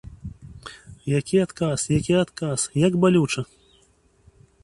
Які адказ, які адказ, як балюча!